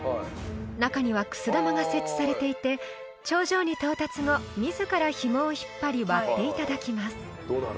［中にはくす玉が設置されていて頂上に到達後自らひもを引っ張り割っていただきます］